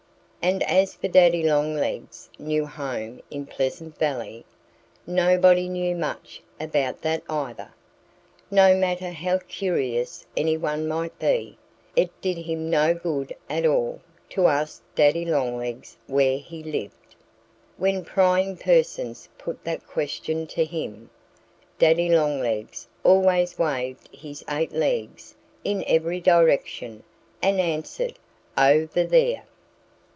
And as for Daddy Longlegs' new home in Pleasant Valley, nobody knew much about that either. No matter how curious anyone might be, it did him no good at all to ask Daddy Longlegs where he lived. When prying persons put that question to him, Daddy Longlegs always waved his eight legs in every direction and answered "Over there!"